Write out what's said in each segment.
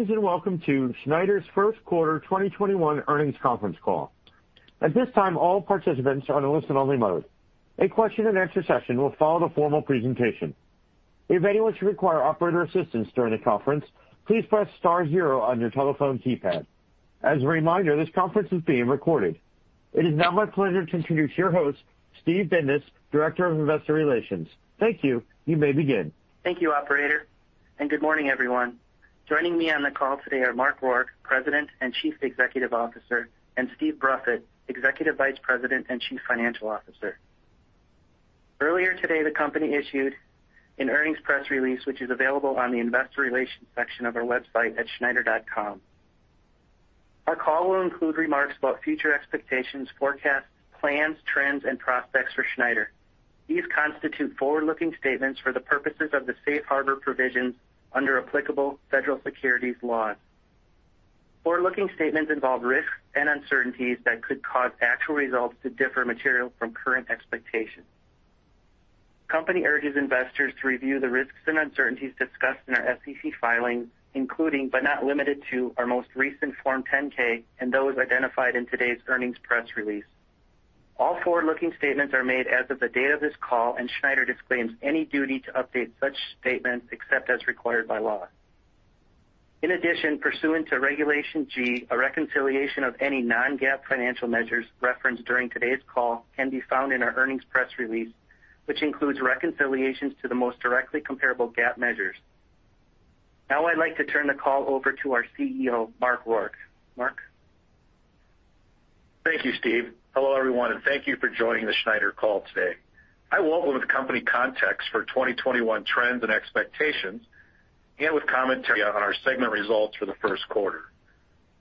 Greetings, and welcome to Schneider's first quarter 2021 earnings conference call. At this time, all participants are on a listen only mode. A question-and-answer session will follow the formal presentation. If anyone should require operator assistance during the conference, please press star zero on your telephone keypad. As a reminder, this conference is being recorded. It is now my pleasure to introduce your host, Steve Bindas, Director of Investor Relations. Thank you. You may begin. Thank you, Operator. Good morning, everyone? Joining me on the call today are Mark Rourke, President and Chief Executive Officer, and Steve Bruffett, Executive Vice President and Chief Financial Officer. Earlier today, the company issued an earnings press release, which is available on the investor relations section of our website at schneider.com. Our call will include remarks about future expectations, forecasts, plans, trends, and prospects for Schneider. These constitute forward-looking statements for the purposes of the safe harbor provisions under applicable federal securities laws. Forward-looking statements involve risks and uncertainties that could cause actual results to differ materially from current expectations. Company urges investors to review the risks and uncertainties discussed in our SEC filings, including, but not limited to, our most recent Form 10-K and those identified in today's earnings press release. All forward-looking statements are made as of the date of this call. Schneider disclaims any duty to update such statements except as required by law. In addition, pursuant to Regulation G, a reconciliation of any non-GAAP financial measures referenced during today's call can be found in our earnings press release, which includes reconciliations to the most directly comparable GAAP measures. Now I'd like to turn the call over to our Chief Executive Officer, Mark Rourke. Mark? Thank you, Steve. Hello, everyone, and thank you for joining the Schneider call today. I welcome with company context for 2021 trends and expectations and with commentary on our segment results for the first quarter.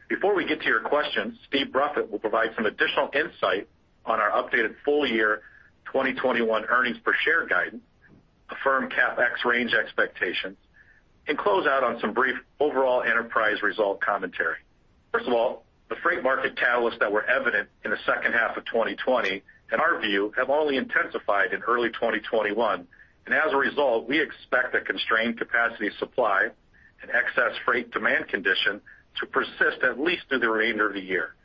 Before we get to your questions, Steve Bruffett will provide some additional insight on our updated full year 2021 earnings per share guidance, affirm CapEx range expectations, and close out on some brief overall enterprise result commentary. First of all, the freight market catalysts that were evident in the second half of 2020, in our view, have only intensified in early 2021. As a result, we expect a constrained capacity supply and excess freight demand condition to persist at least through the remainder of the year.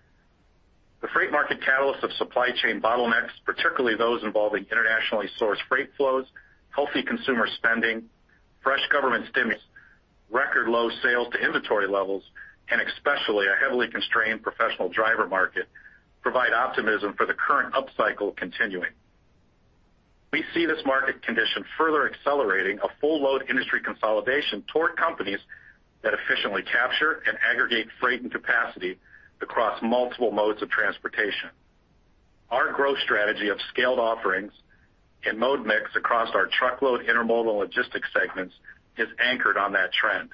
The freight market catalysts of supply chain bottlenecks, particularly those involving internationally sourced freight flows, healthy consumer spending, fresh government stimulus, record low sales to inventory levels, and especially a heavily constrained professional driver market, provide optimism for the current upcycle continuing. We see this market condition further accelerating a full load industry consolidation toward companies that efficiently capture and aggregate freight and capacity across multiple modes of transportation. Our growth strategy of scaled offerings and mode mix across our truckload intermodal logistics segments is anchored on that trend,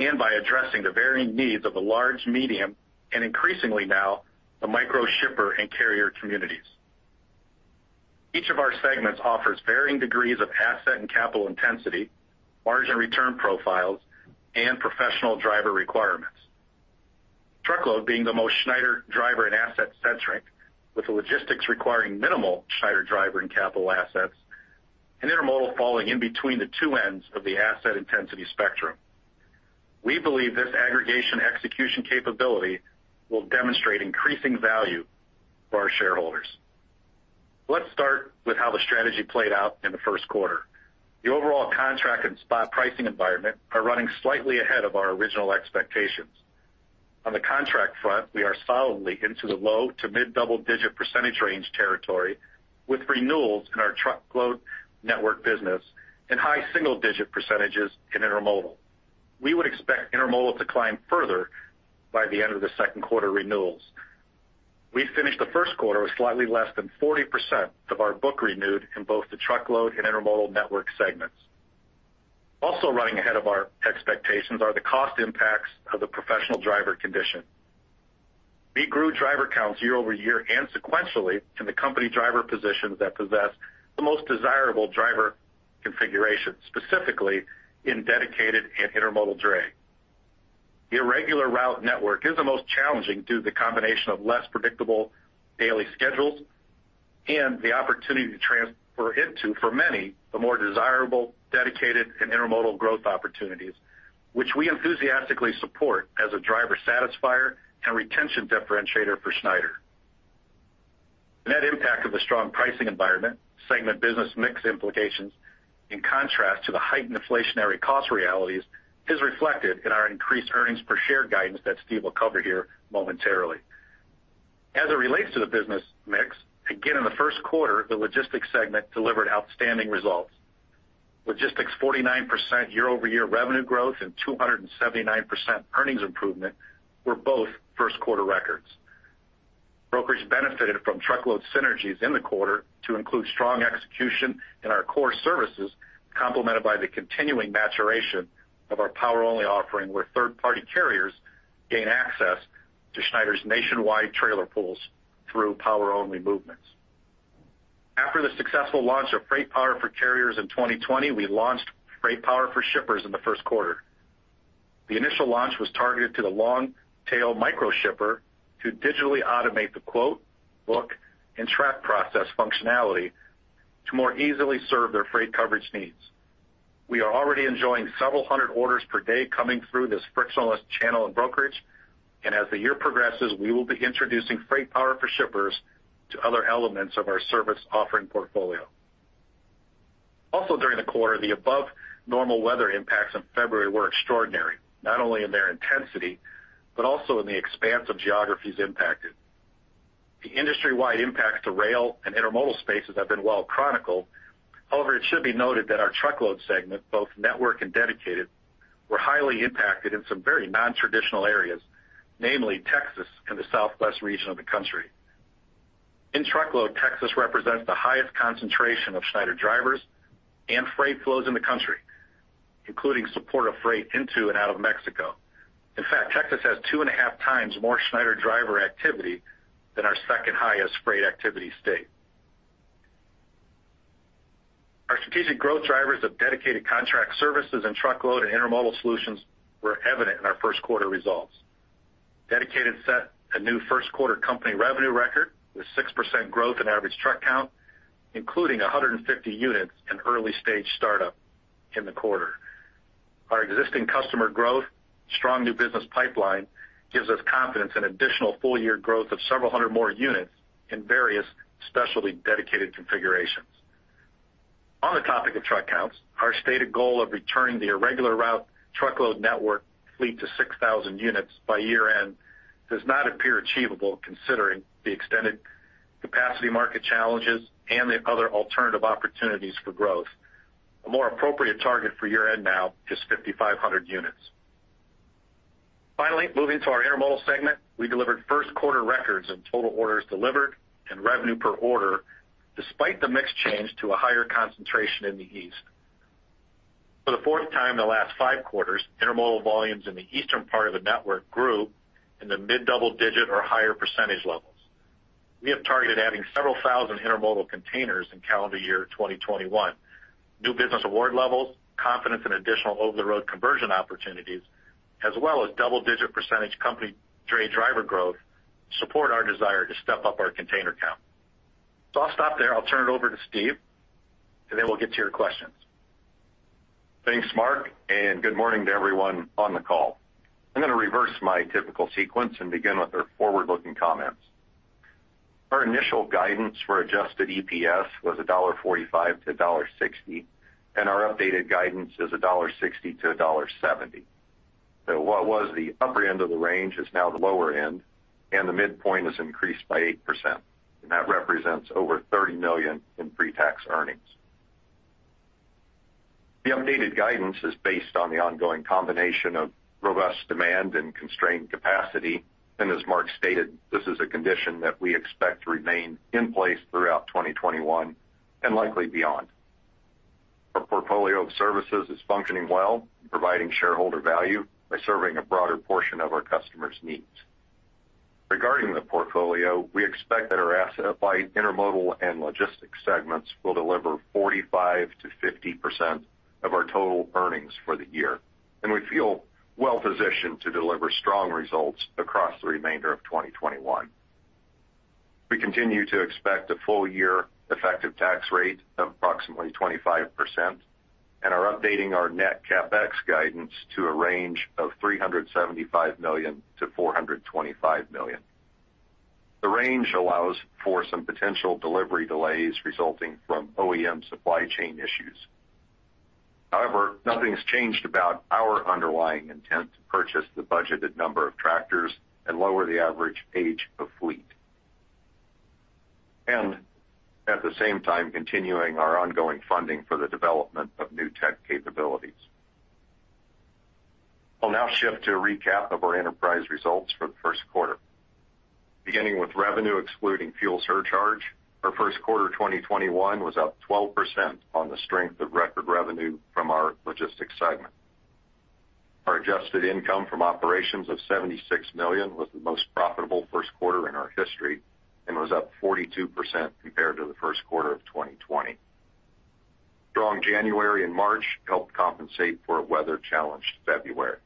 and by addressing the varying needs of the large, medium, and increasingly now, the micro shipper and carrier communities. Each of our segments offers varying degrees of asset and capital intensity, margin return profiles, and professional driver requirements. Truckload being the most Schneider driver and asset centric, with the logistics requiring minimal Schneider driver and capital assets, and intermodal falling in between the two ends of the asset intensity spectrum. We believe this aggregation execution capability will demonstrate increasing value for our shareholders. Let's start with how the strategy played out in the first quarter. The overall contract and spot pricing environment are running slightly ahead of our original expectations. On the contract front, we are solidly into the low to mid double-digit percentage range territory with renewals in our truckload network business and high single-digit percentage in intermodal. We would expect intermodal to climb further by the end of the second quarter renewals. We finished the first quarter with slightly less than 40% of our book renewed in both the truckload and intermodal network segments. Also running ahead of our expectations are the cost impacts of the professional driver condition. We grew driver counts year-over-year and sequentially in the company driver positions that possess the most desirable driver configuration, specifically in dedicated and intermodal dray. The irregular route network is the most challenging due to the combination of less predictable daily schedules and the opportunity to transfer into, for many, the more desirable dedicated and intermodal growth opportunities, which we enthusiastically support as a driver satisfier and retention differentiator for Schneider. The net impact of the strong pricing environment, segment business mix implications, in contrast to the heightened inflationary cost realities, is reflected in our increased earnings per share guidance that Steve will cover here momentarily. As it relates to the business mix, again, in the first quarter, the logistics segment delivered outstanding results. Logistics 49% year-over-year revenue growth and 279% earnings improvement were both first quarter records. Brokerage benefited from truckload synergies in the quarter to include strong execution in our core services, complemented by the continuing maturation of our power only offering, where third-party carriers gain access to Schneider's nationwide trailer pools through power only movements. After the successful launch of Schneider FreightPower for carriers in 2020, we launched Schneider FreightPower for Shippers in the first quarter. The initial launch was targeted to the long-tail micro shipper to digitally automate the quote, book, and track process functionality to more easily serve their freight coverage needs. We are already enjoying several hundred orders per day coming through this frictionless channel and brokerage. As the year progresses, we will be introducing FreightPower for Shippers to other elements of our service offering portfolio. During the quarter, the above normal weather impacts in February were extraordinary, not only in their intensity, but also in the expanse of geographies impacted. The industry-wide impacts to rail and intermodal spaces have been well chronicled. However, it should be noted that our truckload segment, both network and dedicated, were highly impacted in some very non-traditional areas, namely Texas and the southwest region of the country. In truckload, Texas represents the highest concentration of Schneider drivers and freight flows in the country, including support of freight into and out of Mexico. In fact, Texas has 2.5x More Schneider driver activity than our second highest freight activity state. Our strategic growth drivers of dedicated contract services and truckload and intermodal solutions were evident in our first quarter results. Dedicated set a new first quarter company revenue record with 6% growth in average truck count, including 150 units in early stage startup in the quarter. Our existing customer growth, strong new business pipeline, gives us confidence in additional full year growth of several hundred more units in various specialty dedicated configurations. On the topic of truck counts, our stated goal of returning the irregular route truckload network fleet to 6,000 units by year-end does not appear achievable considering the extended capacity market challenges and the other alternative opportunities for growth. A more appropriate target for year end now is 5,500 units. Finally, moving to our intermodal segment, we delivered first quarter records in total orders delivered and revenue per order, despite the mix change to a higher concentration in the east. For the fourth time the last five quarters, intermodal volumes in the eastern part of the network grew in the mid-double-digit or higher percentage levels. We have targeted adding several thousand intermodal containers in calendar year 2021. New business award levels, confidence in additional over-the-road conversion opportunities, as well as double-digit percentage company trade driver growth, support our desire to step up our container count. I'll stop there. I'll turn it over to Steve, we'll get to your questions. Thanks, Mark. Good morning to everyone on the call? I'm going to reverse my typical sequence and begin with our forward-looking comments. Our initial guidance for adjusted EPS was $1.45 to $1.60, and our updated guidance is $1.60 to $1.70. What was the upper end of the range is now the lower end, and the midpoint is increased by 8%, and that represents over $30 million in pre-tax earnings. The updated guidance is based on the ongoing combination of robust demand and constrained capacity, and as Mark stated, this is a condition that we expect to remain in place throughout 2021 and likely beyond. Our portfolio of services is functioning well and providing shareholder value by serving a broader portion of our customers' needs. Regarding the portfolio, we expect that our asset-light intermodal and logistics segments will deliver 45%-50% of our total earnings for the year, and we feel well-positioned to deliver strong results across the remainder of 2021. We continue to expect a full year effective tax rate of approximately 25% and are updating our net CapEx guidance to a range of $375 million-$425 million. The range allows for some potential delivery delays resulting from OEM supply chain issues. However, nothing's changed about our underlying intent to purchase the budgeted number of tractors and lower the average age of fleet. At the same time, continuing our ongoing funding for the development of new tech capabilities. I'll now shift to a recap of our enterprise results for the first quarter. Beginning with revenue excluding fuel surcharge, our first quarter 2021 was up 12% on the strength of record revenue from our logistics segment. Our adjusted income from operations of $76 million was the most profitable first quarter in our history and was up 42% compared to the first quarter of 2020. Strong January and March helped compensate for a weather-challenged February.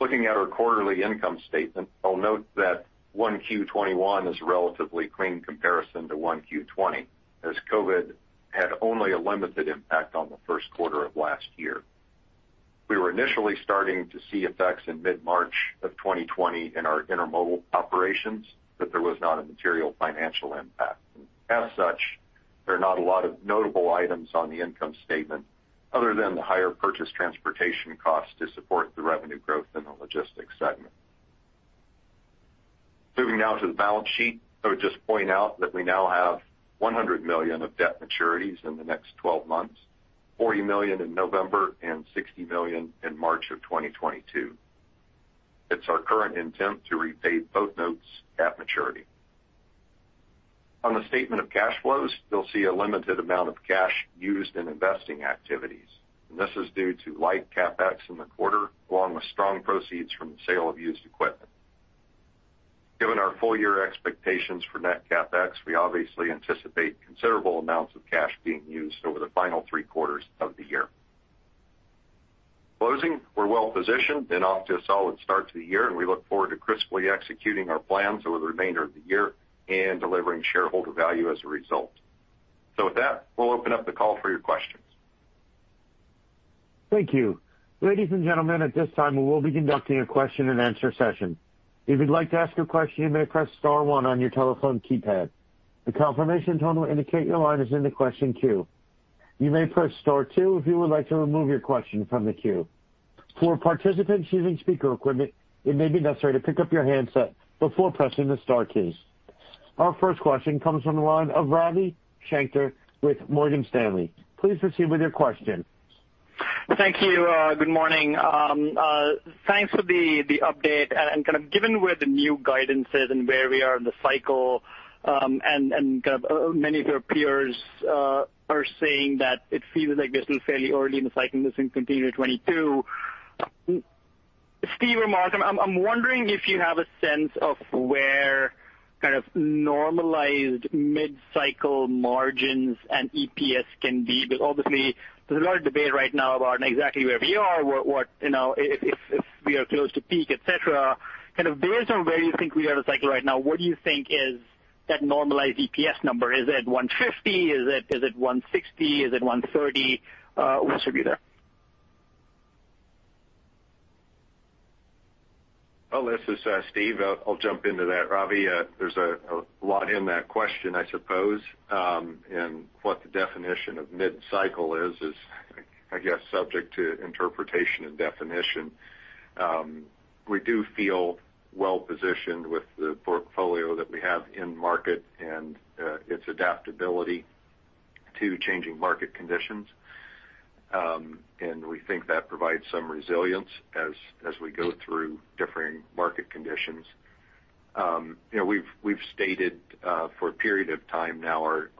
Looking at our quarterly income statement, I'll note that 1Q 2021 is a relatively clean comparison to 1Q 20`20, as COVID had only a limited impact on the first quarter of last year. We were initially starting to see effects in mid-March of 2020 in our intermodal operations, but there was not a material financial impact. As such, there are not a lot of notable items on the income statement other than the higher purchase transportation cost to support the revenue growth in the logistics segment. Moving now to the balance sheet, I would just point out that we now have $100 million of debt maturities in the next 12 months, $40 million in November and $60 million in March of 2022. It's our current intent to repay both notes at maturity. On the statement of cash flows, you'll see a limited amount of cash used in investing activities, and this is due to light CapEx in the quarter, along with strong proceeds from the sale of used equipment. Given our full year expectations for net CapEx, we obviously anticipate considerable amounts of cash being used over the final three quarters of the year. Closing, we're well positioned and off to a solid start to the year, and we look forward to crisply executing our plans over the remainder of the year and delivering shareholder value as a result. With that, we'll open up the call for your questions. Thank you. Ladies and gentlemen, at this time, we will be conducting a question-and-answer session. If you'd like to ask a question, you may press star one on your telephone keypad. The confirmation tone will indicate your line is in the question queue. You may press star two if you would like to remove your question from the queue. For participants using speaker equipment, it may be necessary to pick up your handset before pressing the star keys. Our first question comes from the line of Ravi Shanker with Morgan Stanley, please proceed with your question. Thank you. Good morning. Thanks for the update and kind of given where the new guidance is and where we are in the cycle, and kind of many of your peers are saying that it feels like this is fairly early in the cycle, this can continue to 2022. Steve or Mark, I'm wondering if you have a sense of where kind of normalized mid-cycle margins and EPS can be. Obviously, there's a lot of debate right now about exactly where we are, if we are close to peak, et cetera. Kind of based on where you think we are in the cycle right now, what do you think is that normalized EPS number? Is it $1.50? Is it $1.60? Is it $1.30? Where should we be there? Well, this is Steve. I'll jump into that, Ravi. There's a lot in that question, I suppose. What the definition of mid-cycle is, I guess subject to interpretation and definition. We do feel well-positioned with the portfolio that we have in market and its adaptability to changing market conditions. We think that provides some resilience as we go through differing market conditions. We've stated for a period of time now our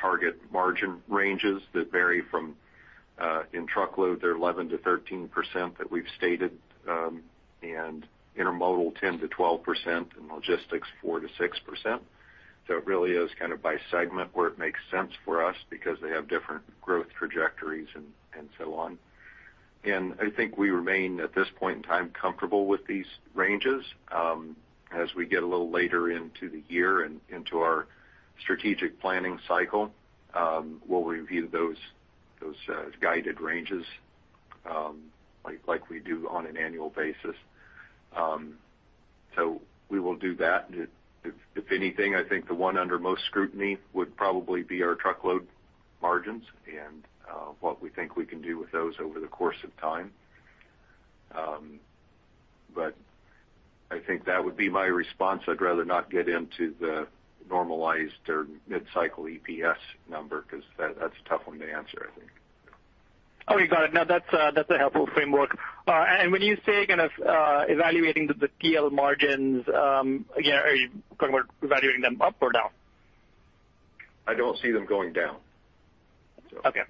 target margin ranges that vary from, in truckload, they're 11%-13% that we've stated, and intermodal 10%-12%, and logistics 4%-6%. It really is kind of by segment where it makes sense for us because they have different growth trajectories and so on. I think we remain, at this point in time, comfortable with these ranges. As we get a little later into the year and into our strategic planning cycle, we'll review those guided ranges like we do on an annual basis. We will do that. If anything, I think the one under most scrutiny would probably be our truckload margins and what we think we can do with those over the course of time. I think that would be my response. I'd rather not get into the normalized or mid-cycle EPS number because that's a tough one to answer, I think. Okay, got it. No, that's a helpful framework. When you say kind of evaluating the TL margins, again, are you kind of evaluating them up or down? I don't see them going down. Okay.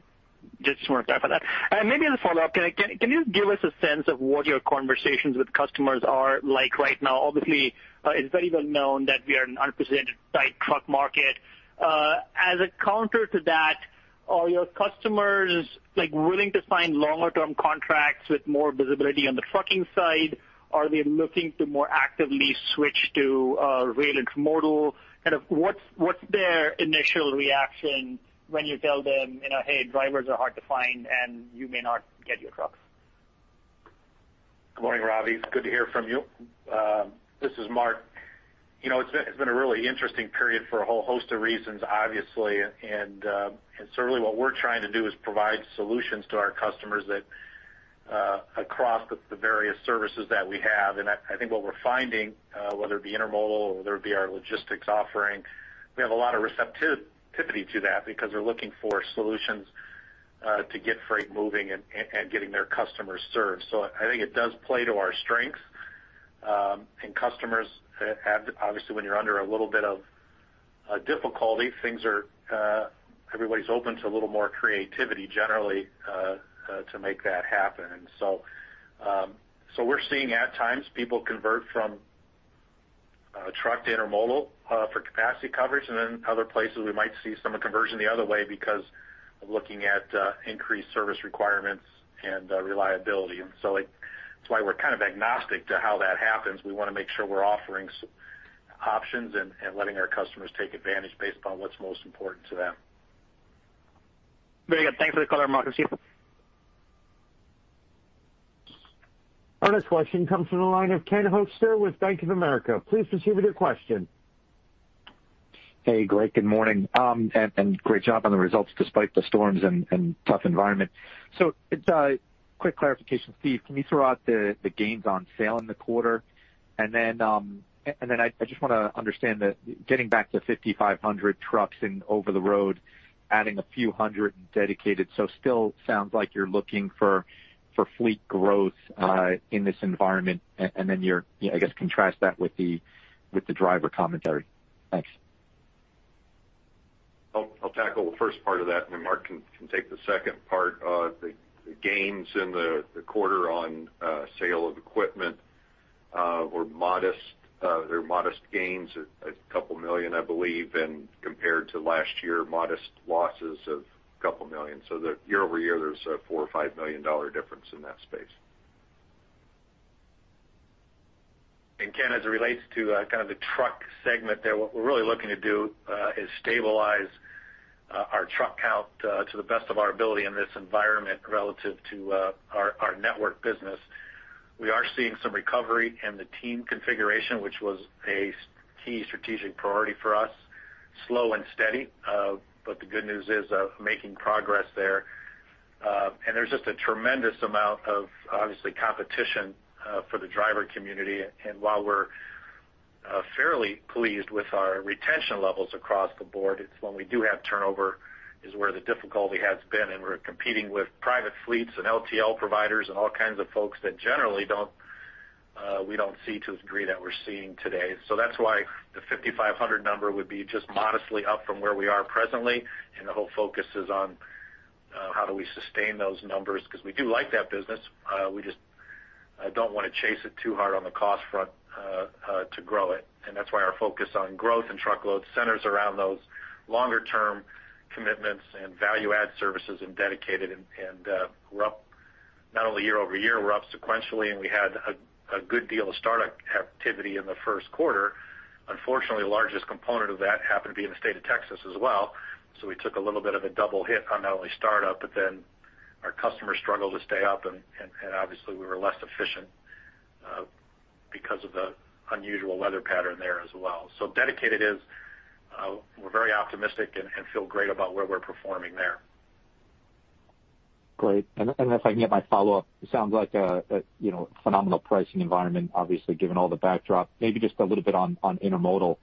Just wanted to clarify that. Maybe as a follow-up, can you give us a sense of what your conversations with customers are like right now? Obviously, it's very well known that we are in an unprecedented tight truck market. As a counter to that, are your customers willing to sign longer-term contracts with more visibility on the trucking side? Are they looking to more actively switch to rail intermodal? Kind of what's their initial reaction when you tell them, hey, drivers are hard to find, and you may not get your trucks? Good morning, Ravi. It's good to hear from you. This is Mark. It's been a really interesting period for a whole host of reasons, obviously. Certainly what we're trying to do is provide solutions to our customers that across the various services that we have. I think what we're finding, whether it be intermodal, whether it be our logistics offering, we have a lot of receptivity to that because they're looking for solutions to get freight moving and getting their customers served. I think it does play to our strengths. Customers have, obviously, when you're under a little bit of difficulty, everybody's open to a little more creativity generally to make that happen. We're seeing at times people convert from truck to intermodal for capacity coverage. Other places we might see some are converting the other way because of looking at increased service requirements and reliability. That's why we're kind of agnostic to how that happens. We want to make sure we're offering options and letting our customers take advantage based upon what's most important to them. Very good. Thanks for the color, Mark. It's useful. Our next question comes from the line of Ken Hoexter with Bank of America, please proceed with your question. Hey, great. Good morning? Great job on the results despite the storms and tough environment. It's a quick clarification. Steve, can you throw out the gains on sale in the quarter? I just want to understand that getting back to 5,500 trucks in over-the-road, adding a few hundred in dedicated, so still sounds like you're looking for fleet growth in this environment. I guess contrast that with the driver commentary. Thanks. I'll tackle the first part of that, and then Mark can take the second part. The gains in the quarter on sale of equipment Modest gains, a couple million, I believe, and compared to last year, modest losses of a couple million. Year-over-year, there's a $4 or $5million difference in that space. Ken, as it relates to the truck segment there, what we're really looking to do is stabilize our truck count to the best of our ability in this environment relative to our network business. We are seeing some recovery in the team configuration, which was a key strategic priority for us. Slow and steady. The good news is making progress there. There's just a tremendous amount of, obviously, competition for the driver community. While we're fairly pleased with our retention levels across the board, it's when we do have turnover is where the difficulty has been, and we're competing with private fleets and LTL providers and all kinds of folks that generally we don't see to the degree that we're seeing today. That's why the 5,500 number would be just modestly up from where we are presently. The whole focus is on how do we sustain those numbers, because we do like that business. We just don't want to chase it too hard on the cost front to grow it. That's why our focus on growth and truckload centers around those longer-term commitments and value-add services and dedicated. We're up not only year-over-year, we're up sequentially, and we had a good deal of startup activity in the first quarter. Unfortunately, the largest component of that happened to be in the state of Texas as well. We took a little bit of a double hit on not only startup, but then our customers struggled to stay up, and obviously, we were less efficient because of the unusual weather pattern there as well. Dedicated, we're very optimistic and feel great about where we're performing there. Great. If I can get my follow-up, it sounds like a phenomenal pricing environment, obviously, given all the backdrop. Maybe just a little bit on Intermodal.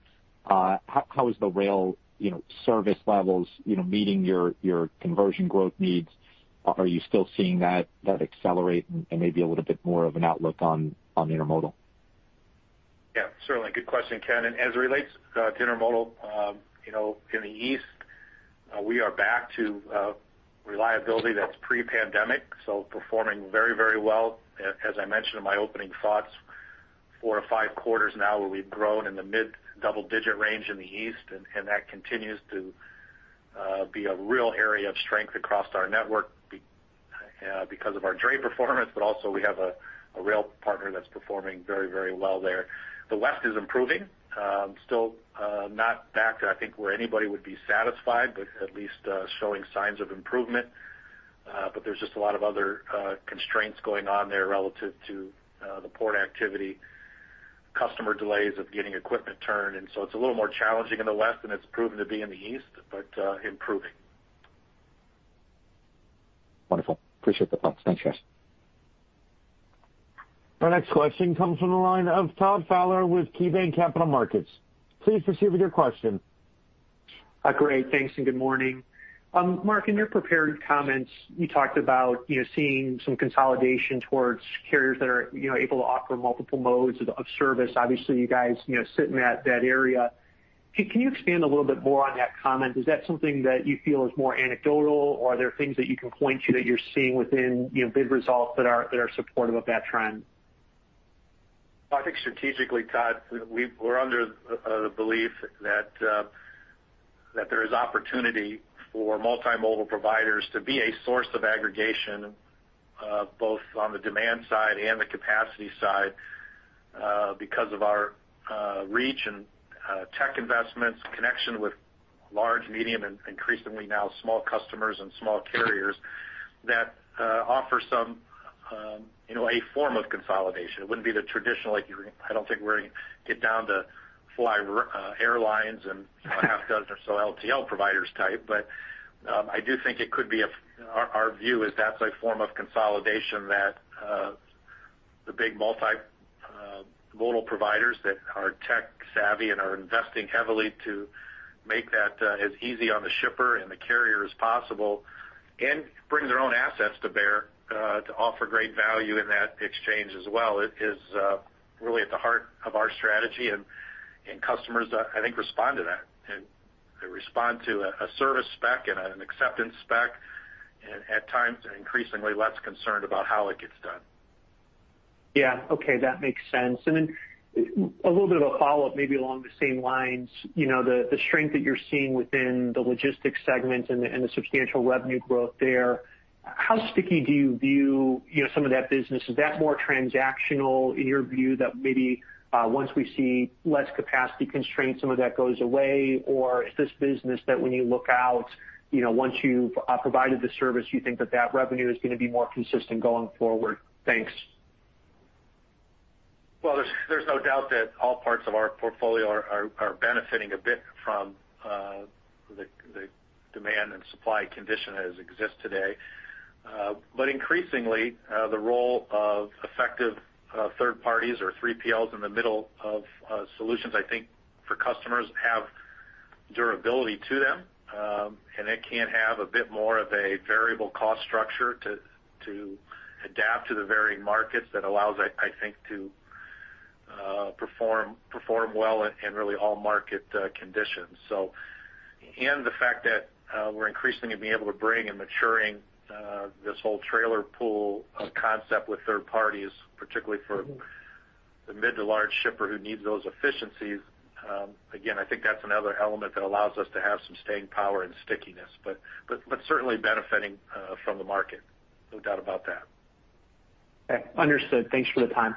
How is the rail service levels meeting your conversion growth needs? Are you still seeing that accelerate and maybe a little bit more of an outlook on Intermodal? Certainly. Good question, Ken. As it relates to Intermodal, in the East, we are back to reliability that's pre-pandemic, performing very well. As I mentioned in my opening thoughts, four to five quarters now where we've grown in the mid-double-digit range in the East, that continues to be a real area of strength across our network because of our dray performance. Also we have a rail partner that's performing very well there. The West is improving. Still not back to, I think, where anybody would be satisfied, at least showing signs of improvement. There's just a lot of other constraints going on there relative to the port activity, customer delays of getting equipment turned in. It's a little more challenging in the West than it's proven to be in the East, improving. Wonderful. Appreciate the thoughts. Thanks, guys. Our next question comes from the line of Todd Fowler with KeyBanc Capital Markets, please proceed with your question. Great. Thanks, and good morning? Mark, in your prepared comments, you talked about seeing some consolidation towards carriers that are able to offer multiple modes of service. Obviously, you guys sit in that area. Can you expand a little bit more on that comment? Is that something that you feel is more anecdotal, or are there things that you can point to that you're seeing within big results that are supportive of that trend? I think strategically, Todd, we're under the belief that there is opportunity for multimodal providers to be a source of aggregation, both on the demand side and the capacity side because of our reach and tech investments, connection with large, medium, and increasingly now small customers and small carriers that offer a form of consolidation. It wouldn't be the traditional, I don't think we're going to get down to fly airlines and a half dozen or so LTL providers type. Our view is that's a form of consolidation that the big multimodal providers that are tech savvy and are investing heavily to make that as easy on the shipper and the carrier as possible and bring their own assets to bear to offer great value in that exchange as well, is really at the heart of our strategy, and customers, I think, respond to that. They respond to a service spec and an acceptance spec, and at times are increasingly less concerned about how it gets done. Yeah. Okay. That makes sense. A little bit of a follow-up, maybe along the same lines. The strength that you're seeing within the logistics segment and the substantial revenue growth there, how sticky do you view some of that business? Is that more transactional in your view that maybe once we see less capacity constraints, some of that goes away? Is this business that when you look out, once you've provided the service, you think that revenue is going to be more consistent going forward? Thanks. There's no doubt that all parts of our portfolio are benefiting a bit from the demand and supply condition as exists today. Increasingly, the role of effective third parties or 3PLs in the middle of solutions, I think, for customers have durability to them, and it can have a bit more of a variable cost structure to adapt to the varying markets that allows, I think, to perform well in really all market conditions. The fact that we're increasingly being able to bring and maturing this whole trailer pool concept with third parties, particularly for the mid to large shipper who needs those efficiencies. Again, I think that's another element that allows us to have some staying power and stickiness, certainly benefiting from the market, no doubt about that. Okay, understood. Thanks for the time.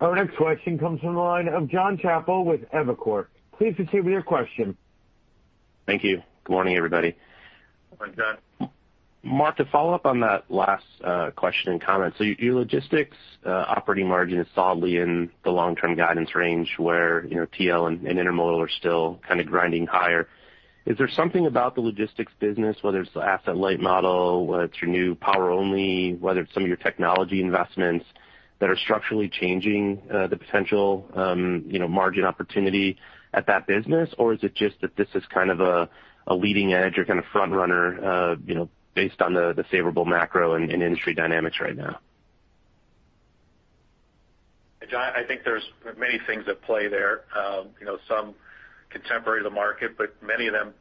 Our next question comes from the line of Jon Chappell with Evercore, please proceed with your question. Thank you. Good morning everybody? Good morning, Jon. Mark, to follow up on that last question and comment, so your logistics operating margin is solidly in the long-term guidance range where TL and intermodal are still kind of grinding higher. Is there something about the logistics business, whether it's the asset-light model, whether it's your new power only, whether it's some of your technology investments that are structurally changing the potential margin opportunity at that business? Or is it just that this is kind of a leading edge or kind of front runner based on the favorable macro and industry dynamics right now? Jon, I think there's many things at play there. Some contemporary to the market, but many of them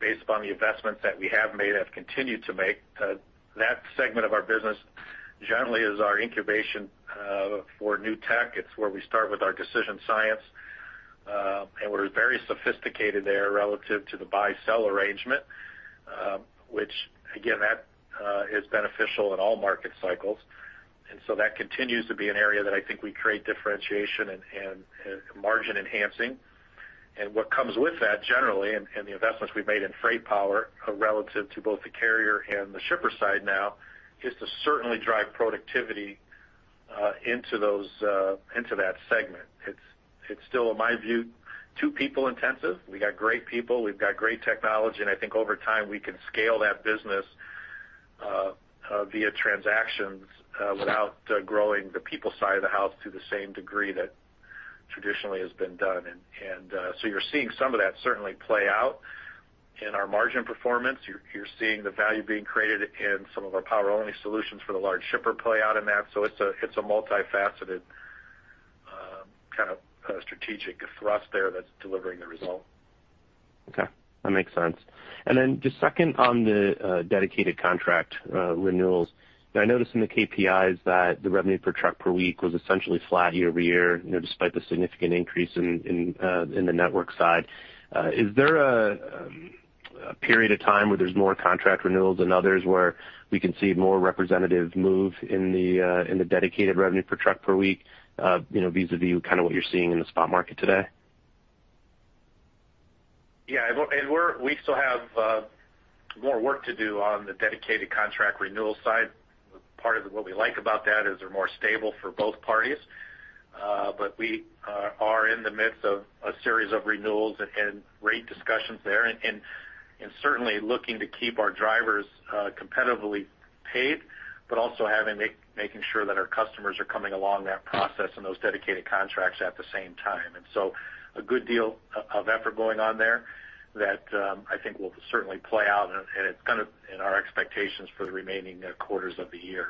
based upon the investments that we have made, have continued to make. That segment of our business generally is our incubation for new tech. It's where we start with our decision science. We're very sophisticated there relative to the buy-sell arrangement, which again, that is beneficial in all market cycles. That continues to be an area that I think we create differentiation and margin enhancing. What comes with that generally, and the investments we've made in FreightPower relative to both the carrier and the shipper side now, is to certainly drive productivity into that segment. It's still, in my view, too people intensive. We got great people, we've got great technology, and I think over time, we can scale that business via transactions without growing the people side of the house to the same degree that traditionally has been done. You're seeing some of that certainly play out in our margin performance. You're seeing the value being created in some of our power only solutions for the large shipper play out in that. It's a multifaceted kind of strategic thrust there that's delivering the result. Okay. That makes sense. Just second on the dedicated contract renewals. I noticed in the KPIs that the revenue per truck per week was essentially flat year-over-year despite the significant increase in the network side. Is there a period of time where there's more contract renewals than others where we can see more representative move in the dedicated revenue per truck per week vis-a-vis kind of what you're seeing in the spot market today? Yeah, we still have more work to do on the dedicated contract renewal side. Part of what we like about that is they're more stable for both parties. We are in the midst of a series of renewals and rate discussions there, and certainly looking to keep our drivers competitively paid, but also making sure that our customers are coming along that process and those dedicated contracts at the same time. A good deal of effort going on there that I think will certainly play out, and it's kind of in our expectations for the remaining quarters of the year.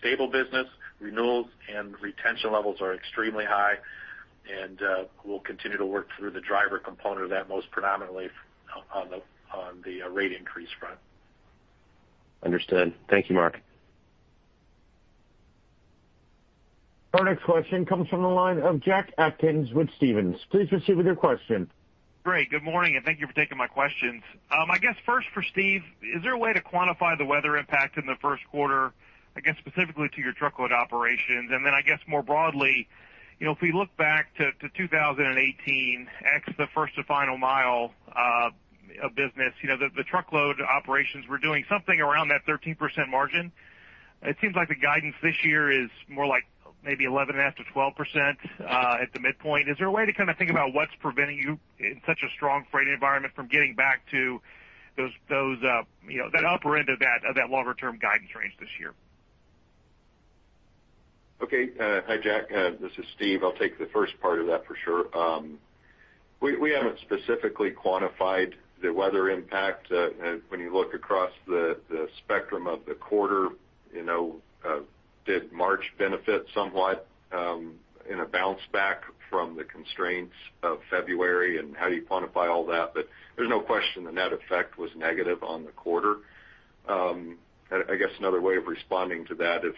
Stable business, renewals, and retention levels are extremely high, and we'll continue to work through the driver component of that, most predominantly on the rate increase front. Understood. Thank you, Mark. Our next question comes from the line of Jack Atkins with Stephens, please proceed with your question. Great. Good morning, and thank you for taking my questions. I guess first for Steve, is there a way to quantify the weather impact in the first quarter, I guess specifically to your truckload operations? Then I guess more broadly, if we look back to 2018, ex the first-to-final mile of business, the truckload operations were doing something around that 13% margin. It seems like the guidance this year is more like maybe 11.5%-12% at the midpoint. Is there a way to kind of think about what's preventing you in such a strong freight environment from getting back to that upper end of that longer-term guidance range this year? Hi, Jack. This is Steve. I'll take the first part of that for sure. We haven't specifically quantified the weather impact. When you look across the spectrum of the quarter, did March benefit somewhat in a bounce back from the constraints of February, and how do you quantify all that? There's no question the net effect was negative on the quarter. I guess another way of responding to that, if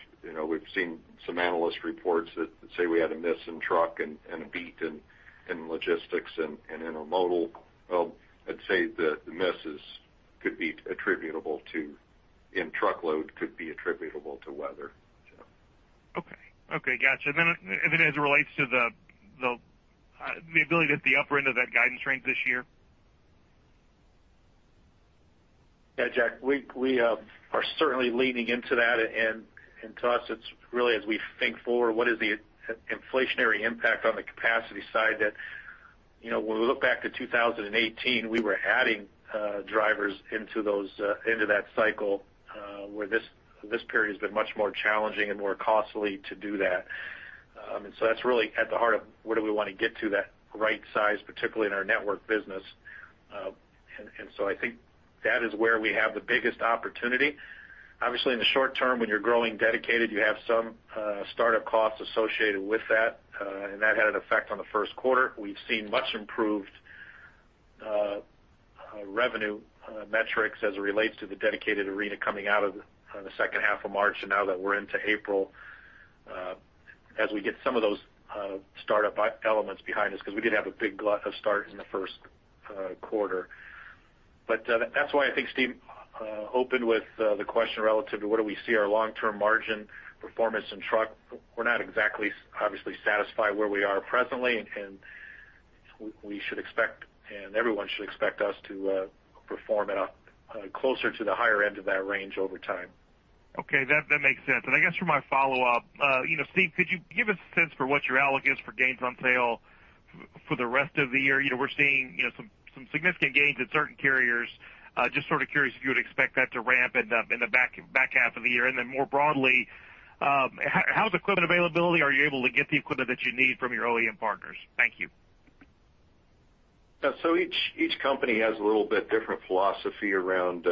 we've seen some analyst reports that say we had a miss in truck and a beat in logistics and intermodal. Well, I'd say the misses could be attributable to, in truckload, could be attributable to weather. Okay. Got you. As it relates to the ability to hit the upper end of that guidance range this year? Yeah, Jack, we are certainly leaning into that. To us, it's really as we think forward, what is the inflationary impact on the capacity side that when we look back to 2018, we were adding drivers into that cycle, where this period has been much more challenging and more costly to do that. That's really at the heart of where do we want to get to that right size, particularly in our network business. I think that is where we have the biggest opportunity. Obviously, in the short term, when you're growing dedicated, you have some startup costs associated with that, and that had an effect on the first quarter. We've seen much improved revenue metrics as it relates to the dedicated arena coming out of the second half of March, and now that we're into April, as we get some of those startup elements behind us, because we did have a big start in the first quarter. That's why I think Steve opened with the question relative to what do we see our long-term margin performance in truck. We're not exactly, obviously, satisfied where we are presently, and we should expect, and everyone should expect us to perform at closer to the higher end of that range over time. Okay. That makes sense. I guess for my follow-up, Steve, could you give us a sense for what your outlook is for gains on sale for the rest of the year? We're seeing some significant gains at certain carriers. Just sort of curious if you would expect that to ramp in the back half of the year. More broadly, how's equipment availability? Are you able to get the equipment that you need from your OEM partners? Thank you. Yeah. Each company has a little bit different philosophy around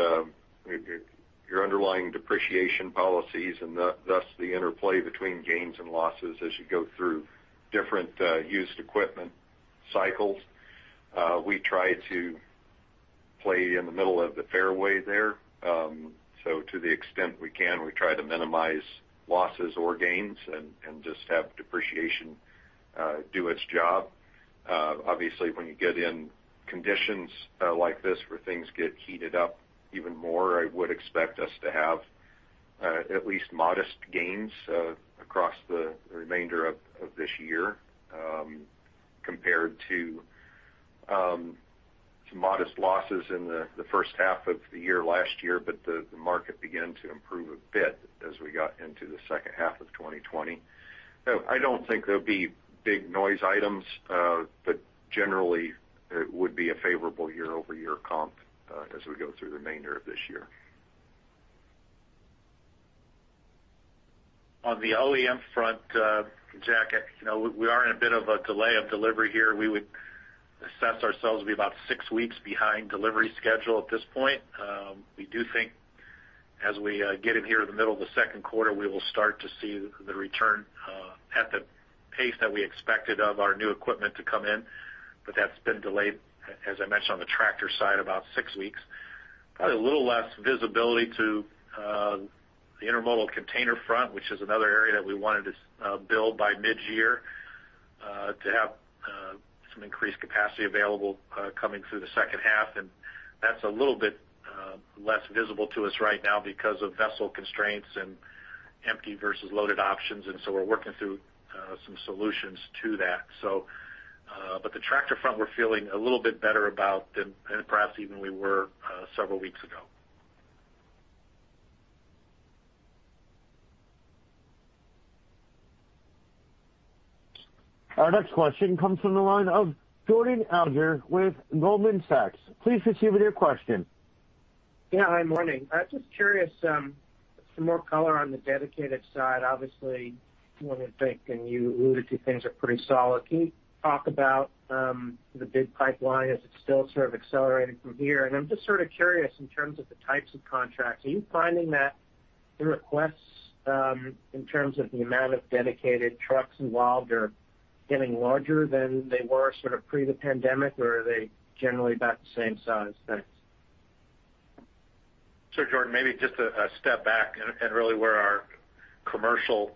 your underlying depreciation policies and, thus, the interplay between gains and losses as you go through different used equipment cycles. We try to play in the middle of the fairway there. To the extent we can, we try to minimize losses or gains and just have depreciation do its job. Obviously, when you get in conditions like this where things get heated up even more, I would expect us to have at least modest gains across the remainder of this year compared to some modest losses in the first half of the year last year. The market began to improve a bit as we got into the second half of 2020. I don't think there'll be big noise items. Generally, it would be a favorable year-over-year comp as we go through the remainder of this year. On the OEM front, Jack, we are in a bit of a delay of delivery here. We would assess ourselves to be about six weeks behind delivery schedule at this point. We do think as we get in here in the middle of the second quarter, we will start to see the return at the pace that we expected of our new equipment to come in. That's been delayed, as I mentioned, on the tractor side, about six weeks. Probably a little less visibility to the intermodal container front, which is another area that we wanted to build by mid-year to have some increased capacity available coming through the second half, and that's a little bit less visible to us right now because of vessel constraints and empty versus loaded options, and so we're working through some solutions to that. But the tractor front, we're feeling a little bit better about than perhaps even we were several weeks ago. Our next question comes from the line of Jordan Alliger with Goldman Sachs, please proceed with your question. Yeah. Hi, morning. Just curious, some more color on the dedicated side. Obviously, one would think, and you alluded to things are pretty solid. Can you talk about the big pipeline? Is it still sort of accelerating from here? I'm just sort of curious in terms of the types of contracts. Are you finding that the requests in terms of the amount of dedicated trucks involved are getting larger than they were sort of pre the pandemic, or are they generally about the same size? Thanks. Jordan, maybe just a step back and really where our commercial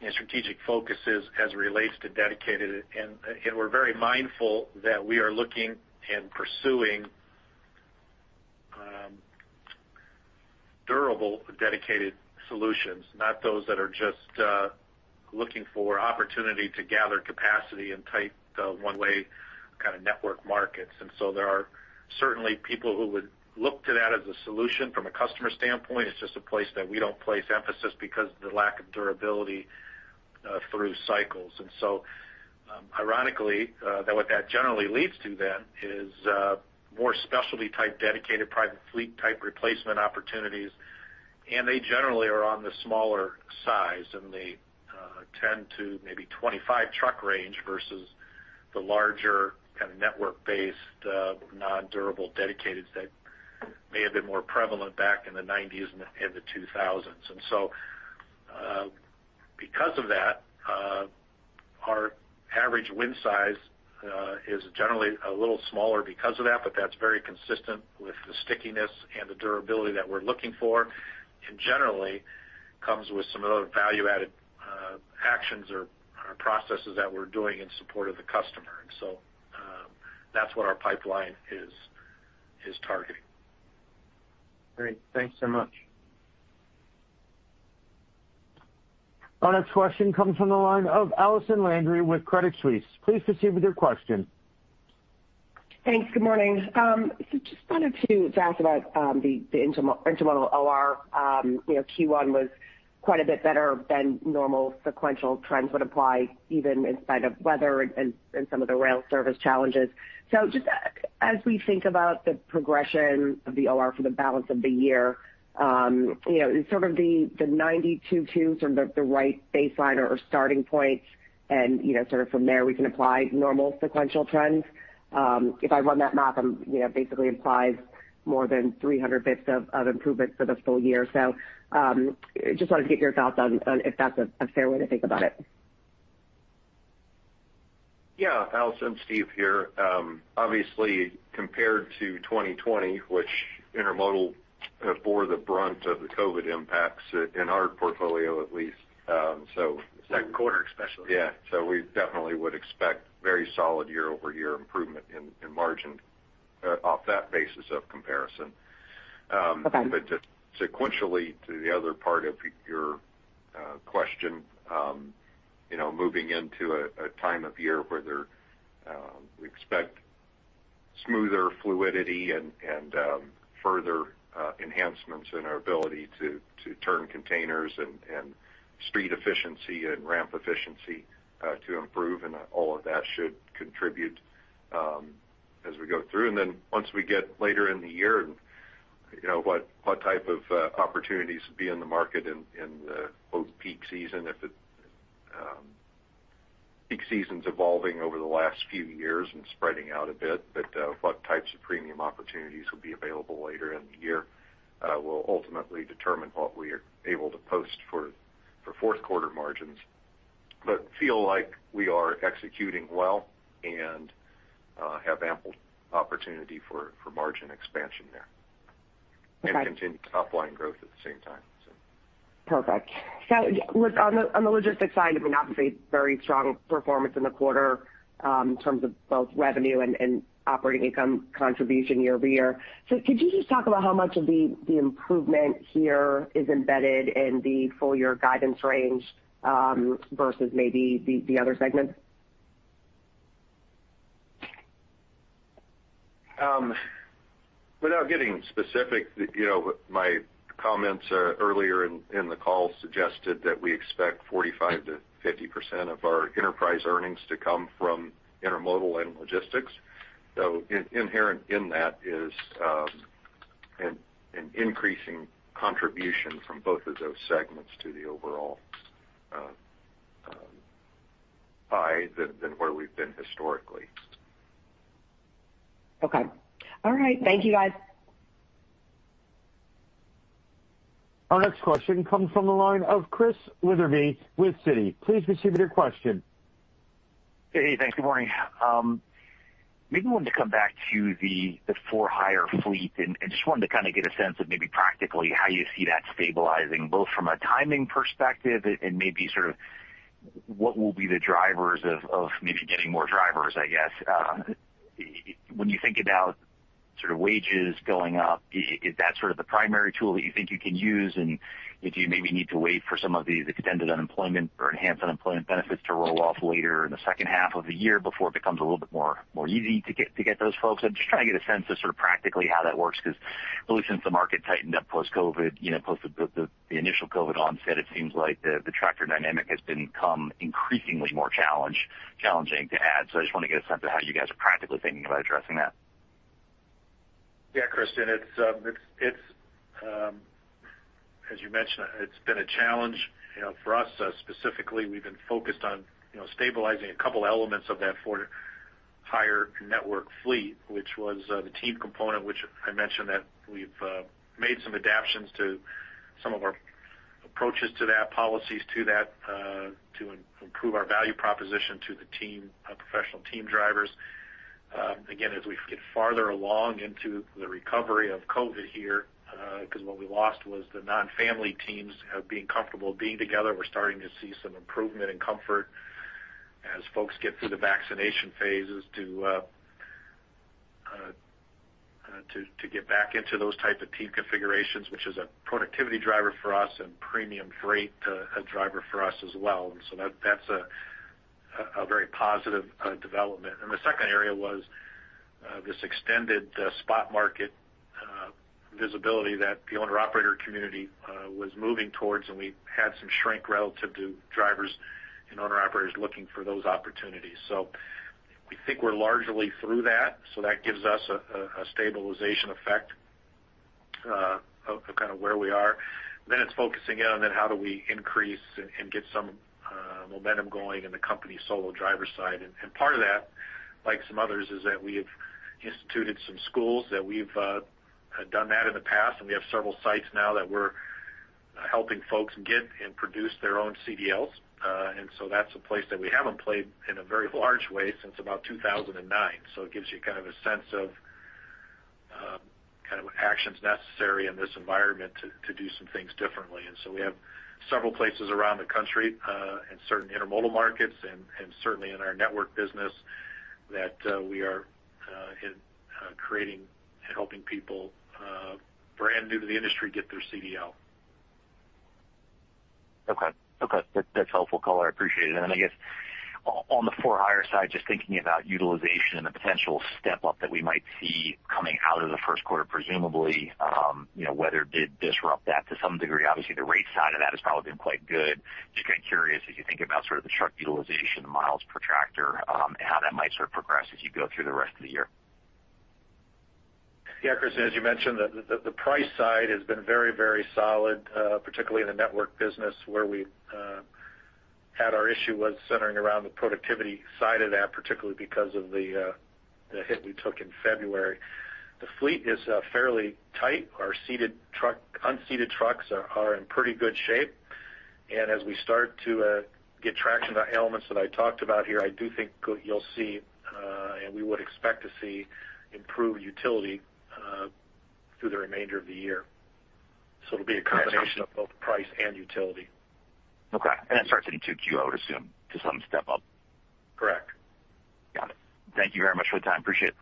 and strategic focus is as it relates to dedicated, and we're very mindful that we are looking and pursuing durable dedicated solutions, not those that are just looking for opportunity to gather capacity in tight one-way kind of network markets. There are certainly people who would look to that as a solution from a customer standpoint. It's just a place that we don't place emphasis because of the lack of durability through cycles. Ironically, what that generally leads to then is more specialty type dedicated private fleet type replacement opportunities, and they generally are on the smaller size, in the 10 truck-25 truck range versus the larger kind of network-based, non-durable dedicateds that may have been more prevalent back in the 1990s and the 2000s. Because of that, our average win size is generally a little smaller because of that, but that's very consistent with the stickiness and the durability that we're looking for, and generally comes with some other value-added actions or processes that we're doing in support of the customer. That's what our pipeline is targeting. Great. Thanks so much. Our next question comes from the line of Allison Landry with Credit Suisse, please proceed with your question. Thanks. Good morning? Just wanted to ask about the intermodal OR. Q1 was quite a bit better than normal sequential trends would apply even in spite of weather and some of the rail service challenges. As we think about the progression of the OR for the balance of the year, is sort of the 92.2 the right baseline or starting point, and sort of from there we can apply normal sequential trends? If I run that math, it basically implies more than 300 basis points of improvement for the full year. Just wanted to get your thoughts on if that's a fair way to think about it. Yeah. Allison, Steve here. Obviously, compared to 2020, which intermodal bore the brunt of the COVID impacts in our portfolio at least. Second quarter especially. Yeah. We definitely would expect very solid year-over-year improvement in margin off that basis of comparison. Okay. Sequentially, to the other part of your question, moving into a time of year where we expect smoother fluidity and further enhancements in our ability to turn containers, and speed efficiency and ramp efficiency to improve, and all of that should contribute as we go through. Once we get later in the year, what type of opportunities would be in the market in the quote, peak season, if the peak season's evolving over the last few years and spreading out a bit. What types of premium opportunities will be available later in the year will ultimately determine what we are able to post for fourth quarter margins. Feel like we are executing well and have ample opportunity for margin expansion there. Okay. Continued top line growth at the same time. Perfect. On the logistics side, I mean, obviously very strong performance in the quarter in terms of both revenue and operating income contribution year-over-year. Could you just talk about how much of the improvement here is embedded in the full year guidance range, versus maybe the other segments? Without getting specific, my comments earlier in the call suggested that we expect 45%-50% of our enterprise earnings to come from intermodal and logistics. Inherent in that is an increasing contribution from both of those segments to the overall pie than where we've been historically. Okay. All right. Thank you, guys. Our next question comes from the line of Chris Wetherbee with Citi, please proceed with your question. Hey, thanks. Good morning? Maybe wanted to come back to the for-hire fleet, and just wanted to kind of get a sense of maybe practically how you see that stabilizing, both from a timing perspective and maybe sort of what will be the drivers of maybe getting more drivers, I guess. When you think about sort of wages going up, is that sort of the primary tool that you think you can use? If you maybe need to wait for some of the extended unemployment or enhanced unemployment benefits to roll off later in the second half of the year before it becomes a little bit more easy to get those folks. I'm just trying to get a sense of sort of practically how that works, because really since the market tightened up post the initial COVID onset, it seems like the tractor dynamic has become increasingly more challenging to add. I just want to get a sense of how you guys are practically thinking about addressing that. Yeah, Chris, as you mentioned, it's been a challenge. For us specifically, we've been focused on stabilizing a couple elements of that for-hire network fleet, which was the team component, which I mentioned that we've made some adaptations to some of our approaches to that, policies to that, to improve our value proposition to the professional team drivers. Again, as we get farther along into the recovery of COVID here, because what we lost was the non-family teams being comfortable being together. We're starting to see some improvement in comfort as folks get through the vaccination phases to get back into those type of team configurations, which is a productivity driver for us and premium freight driver for us as well. That's a very positive development. The second area was this extended spot market visibility that the owner-operator community was moving towards, and we had some shrink relative to drivers and owner-operators looking for those opportunities. We think we're largely through that. That gives us a stabilization effect of kind of where we are. It's focusing in on then how do we increase and get some momentum going in the company solo driver side. Part of that, like some others, is that we have instituted some schools that we've done that in the past, and we have several sites now that we're helping folks get and produce their own CDLs. That's a place that we haven't played in a very large way since about 2009. It gives you kind of a sense of actions necessary in this environment to do some things differently. We have several places around the country, in certain intermodal markets and certainly in our network business that we are creating and helping people brand new to the industry get their CDL. Okay. That's a helpful call. I appreciate it. I guess on the for-hire side, just thinking about utilization and the potential step up that we might see out of the first quarter, presumably, weather did disrupt that to some degree. Obviously, the rate side of that has probably been quite good. Just kind of curious if you think about the truck utilization, the miles per tractor, and how that might progress as you go through the rest of the year. Yeah, Chris, as you mentioned, the price side has been very solid, particularly in the network business where we had our issue was centering around the productivity side of that, particularly because of the hit we took in February. The fleet is fairly tight. Our unseated trucks are in pretty good shape. As we start to get traction on elements that I talked about here, I do think you'll see, and we would expect to see improved utility through the remainder of the year. It'll be a combination of both price and utility. Okay. That starts in 2Q, I would assume, to some step up? Correct. Got it. Thank you very much for the time. Appreciate it.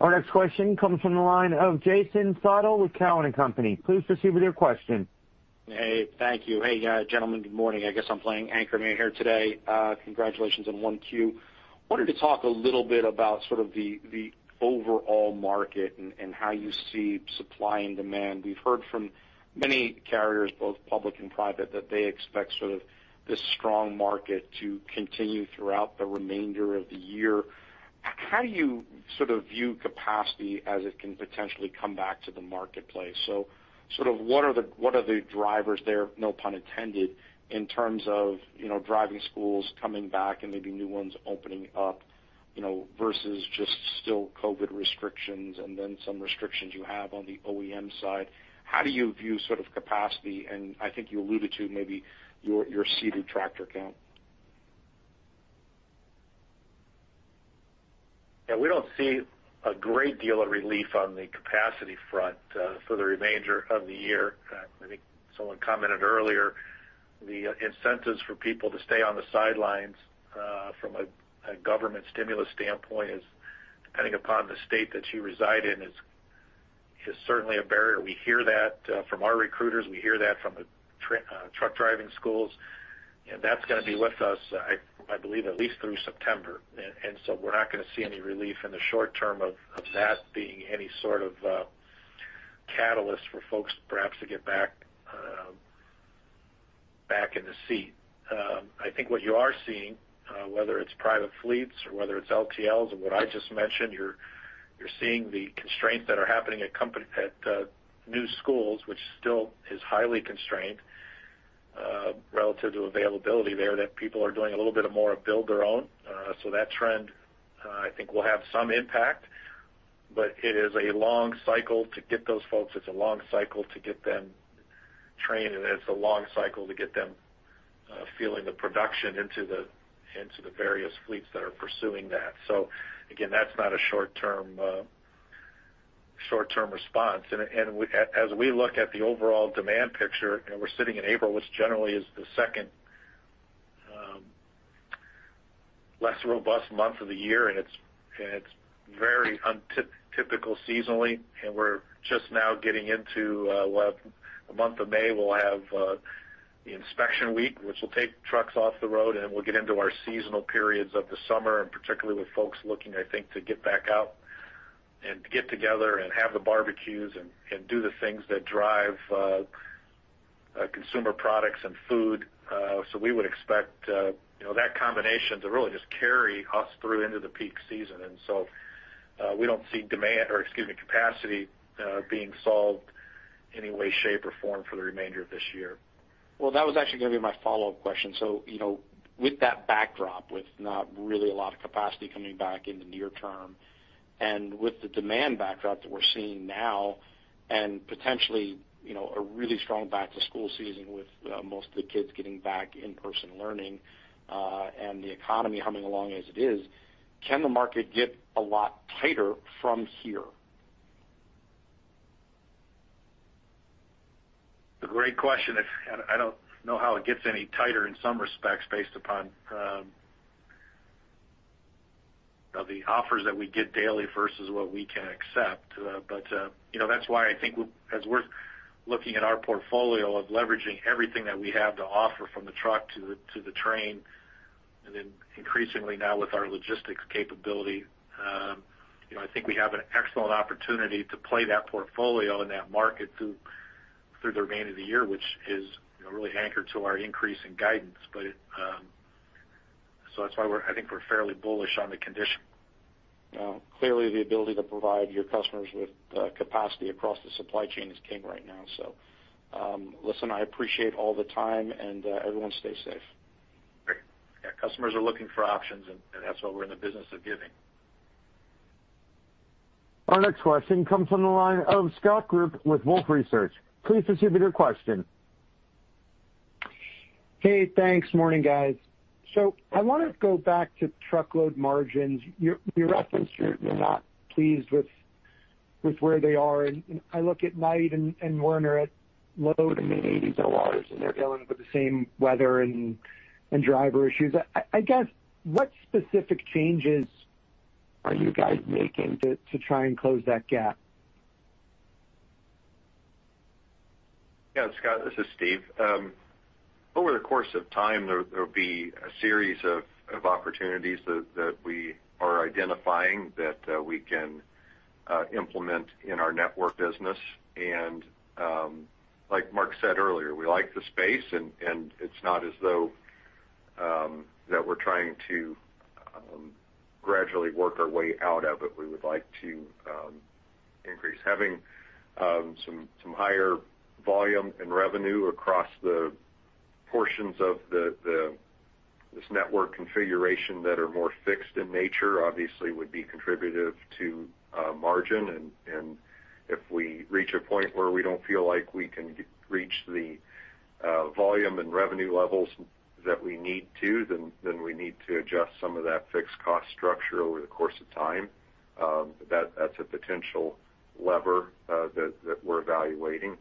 Our next question comes from the line of Jason Seidl with Cowen and Company, please proceed with your question. Hey, thank you. Hey, gentlemen. Good morning? I guess I'm playing anchorman here today. Congratulations on 1Q. Wanted to talk a little bit about the overall market and how you see supply and demand. We've heard from many carriers, both public and private, that they expect this strong market to continue throughout the remainder of the year. How do you view capacity as it can potentially come back to the marketplace? What are the drivers there, no pun intended, in terms of driving schools coming back and maybe new ones opening up versus just still COVID restrictions and then some restrictions you have on the OEM side. How do you view capacity, and I think you alluded to maybe your seated tractor count? Yeah, we don't see a great deal of relief on the capacity front for the remainder of the year. I think someone commented earlier, the incentives for people to stay on the sidelines from a government stimulus standpoint is depending upon the state that you reside in is certainly a barrier. We hear that from our recruiters. We hear that from the truck driving schools. That's going to be with us, I believe, at least through September. We're not going to see any relief in the short term of that being any sort of catalyst for folks perhaps to get back in the seat. I think what you are seeing, whether it's private fleets or whether it's LTLs or what I just mentioned, you're seeing the constraints that are happening at new schools, which still is highly constrained relative to availability there that people are doing a little bit of more of build their own. That trend, I think will have some impact, but it is a long cycle to get those folks, it's a long cycle to get them trained, and it's a long cycle to get them feeling the production into the various fleets that are pursuing that. Again, that's not a short-term response. As we look at the overall demand picture, and we're sitting in April, which generally is the second less robust month of the year, and it's very untypical seasonally, and we're just now getting into the month of May. We'll have the inspection week, which will take trucks off the road, and we'll get into our seasonal periods of the summer, and particularly with folks looking, I think, to get back out and get together and have the barbecues and do the things that drive consumer products and food. We would expect that combination to really just carry us through into the peak season. We don't see demand, or excuse me, capacity being solved any way, shape, or form for the remainder of this year. Well, that was actually going to be my follow-up question. With that backdrop, with not really a lot of capacity coming back in the near term, and with the demand backdrop that we're seeing now, and potentially a really strong back-to-school season with most of the kids getting back in-person learning, and the economy humming along as it is, can the market get a lot tighter from here? It's a great question. I don't know how it gets any tighter in some respects based upon the offers that we get daily versus what we can accept. That's why I think as we're looking at our portfolio of leveraging everything that we have to offer from the truck to the train, and then increasingly now with our logistics capability, I think we have an excellent opportunity to play that portfolio in that market through the remainder of the year, which is really anchored to our increase in guidance. That's why I think we're fairly bullish on the condition. Clearly, the ability to provide your customers with capacity across the supply chain is king right now. Listen, I appreciate all the time, and everyone stay safe. Great. Yeah, customers are looking for options, and that's what we're in the business of giving. Our next question comes from the line of Scott Group with Wolfe Research, please proceed with your question. Hey, thanks. Morning guys? I want to go back to truckload margins. You referenced you're not pleased with where they are, and I look at Knight and Werner at low to mid-80s ORs, and they're dealing with the same weather and driver issues. I guess, what specific changes are you guys making to try and close that gap? Scott Group, this is Steve. Over the course of time, there will be a series of opportunities that we are identifying that we can implement in our network business. Like Mark said earlier, we like the space, and it's not as though that we're trying to gradually work our way out of it. We would like to increase. Having some higher volume and revenue across the portions of this network configuration that are more fixed in nature, obviously would be contributive to margin. If we reach a point where we don't feel like we can reach the volume and revenue levels that we need to, then we need to adjust some of that fixed cost structure over the course of time. That's a potential lever that we're evaluating,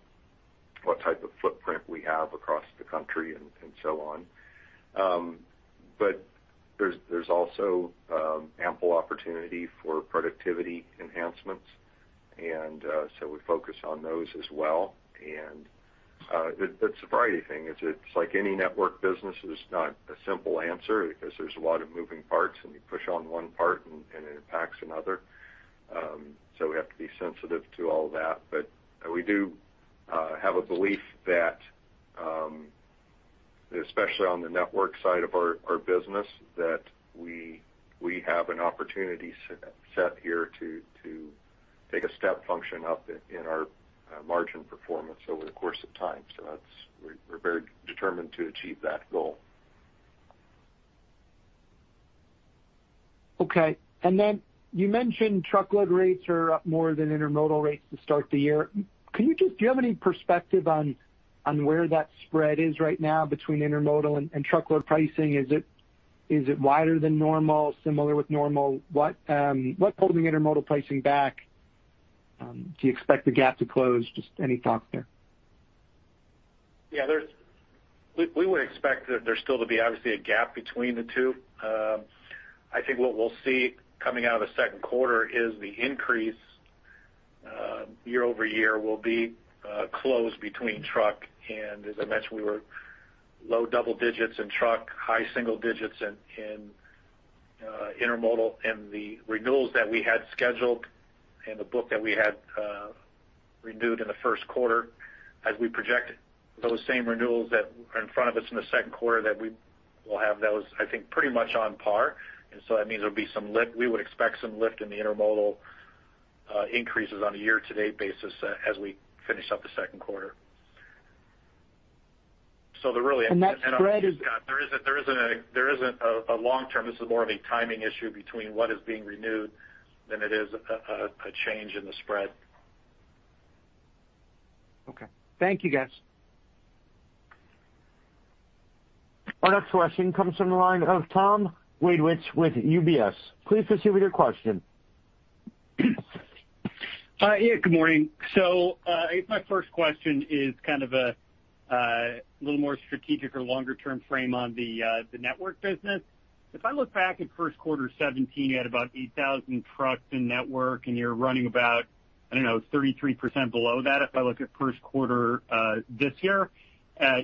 what type of footprint we have across the country and so on. There's also ample opportunity for productivity enhancements. We focus on those as well. It's a variety thing. It's like any network business, it's not a simple answer because there's a lot of moving parts, and you push on one part and it impacts another. We have to be sensitive to all that. We do have a belief that, especially on the network side of our business, that we have an opportunity set here to take a step function up in our margin performance over the course of time. We're very determined to achieve that goal. Okay. You mentioned truckload rates are up more than intermodal rates to start the year. Do you have any perspective on where that spread is right now between intermodal and truckload pricing? Is it wider than normal? Similar with normal? What's holding intermodal pricing back? Do you expect the gap to close? Just any thoughts there. Yeah. We would expect that there's still to be obviously a gap between the two. I think what we'll see coming out of the second quarter is the increase year-over-year will be closed between truck, as I mentioned, we were low double digits in truck, high single digits in intermodal. The renewals that we had scheduled and the book that we had renewed in the first quarter, as we project those same renewals that are in front of us in the second quarter that we will have those, I think, pretty much on par. That means we would expect some lift in the intermodal increases on a year-to-date basis as we finish up the second quarter. That spread is- There isn't a long-term. This is more of a timing issue between what is being renewed than it is a change in the spread. Okay. Thank you, guys. Our next question comes from the line of Tom Wadewitz with UBS, please proceed with your question Good morning? I guess my first question is kind of a little more strategic or longer-term frame on the network business. I look back at first quarter 2017, you had about 8,000 trucks in network, and you're running about, I don't know, 33% below that. I look at first quarter this year, I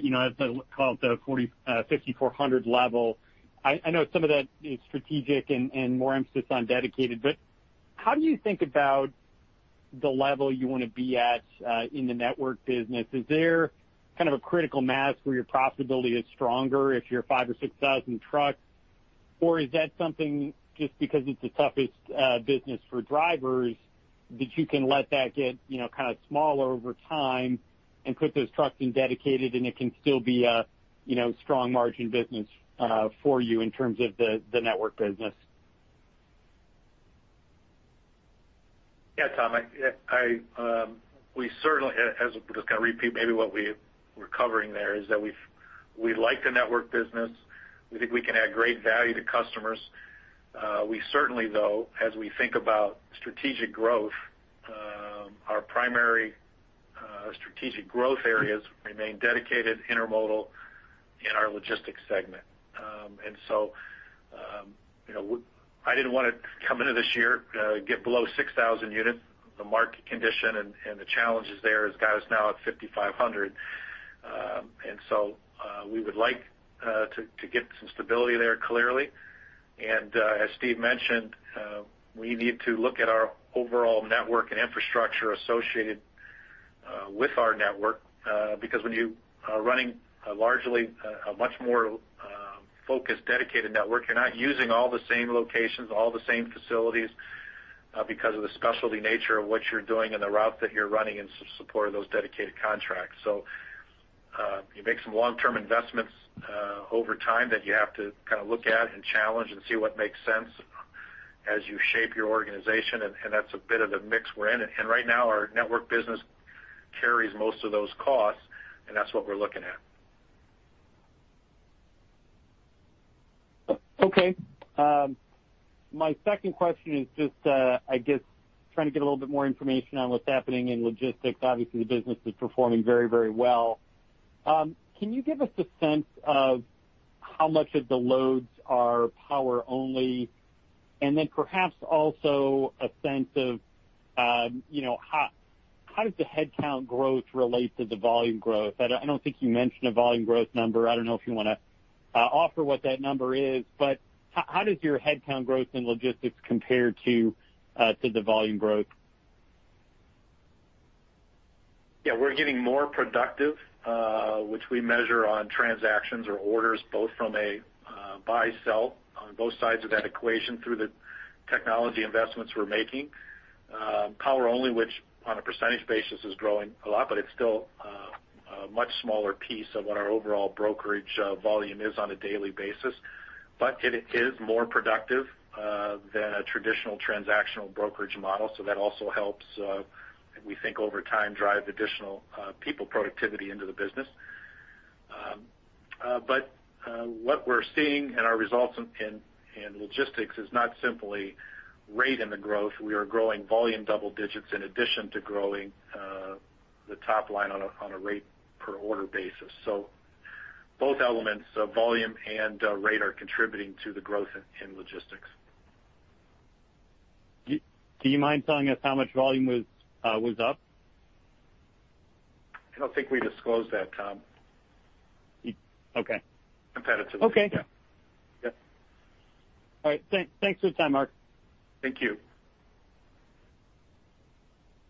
call it the 5,400 level. I know some of that is strategic and more emphasis on dedicated, how do you think about the level you want to be at in the network business? Is there kind of a critical mass where your profitability is stronger if you're 5,000 trucks or 6,000 trucks? Is that something just because it's the toughest business for drivers, that you can let that get kind of smaller over time and put those trucks in dedicated, and it can still be a strong margin business for you in terms of the network business? Yeah, Tom. Just going to repeat maybe what we were covering there, is that we like the network business. We think we can add great value to customers. We certainly, though, as we think about strategic growth, our primary strategic growth areas remain dedicated intermodal in our logistics segment. I didn't want to come into this year, get below 6,000 units. The market condition and the challenges there has got us now at 5,500 units. We would like to get some stability there, clearly. As Steve mentioned, we need to look at our overall network and infrastructure associated with our network, because when you are running a much more focused, dedicated network, you're not using all the same locations, all the same facilities because of the specialty nature of what you're doing and the route that you're running in support of those dedicated contracts. You make some long-term investments over time that you have to look at and challenge and see what makes sense as you shape your organization, and that's a bit of the mix we're in. Right now, our network business carries most of those costs, and that's what we're looking at. Okay. My second question is just, I guess, trying to get a little bit more information on what's happening in logistics. Obviously, the business is performing very well. Can you give us a sense of how much of the loads are power only? Perhaps also a sense of how does the headcount growth relate to the volume growth? I don't think you mentioned a volume growth number. I don't know if you want to offer what that number is, how does your headcount growth in logistics compare to the volume growth? Yeah, we're getting more productive, which we measure on transactions or orders, both from a buy-sell on both sides of that equation through the technology investments we're making. Power only, which on a percentage basis is growing a lot, but it's still a much smaller piece of what our overall brokerage volume is on a daily basis. It is more productive than a traditional transactional brokerage model. That also helps, we think, over time, drive additional people productivity into the business. What we're seeing in our results in logistics is not simply rate in the growth. We are growing volume double digits in addition to growing the top line on a rate per order basis. Both elements, volume and rate, are contributing to the growth in logistics. Do you mind telling us how much volume was up? I don't think we disclose that, Tom. Okay. Competitively. Okay. Yeah. All right. Thanks for the time, Mark. Thank you.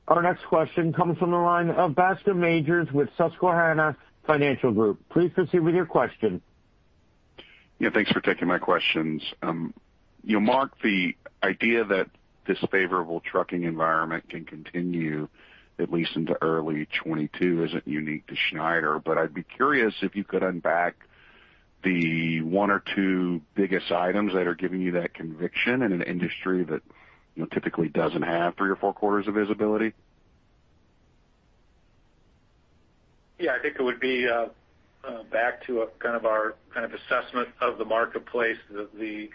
Our next question comes from the line of Bascome Majors with Susquehanna Financial Group, please proceed with your question. Yeah, thanks for taking my questions. Mark, the idea that this favorable trucking environment can continue at least into early 2022 isn't unique to Schneider, but I'd be curious if you could unpack the one or two biggest items that are giving you that conviction in an industry that typically doesn't have three or four quarters of visibility. Yeah, I think it would be back to our kind of assessment of the marketplace, the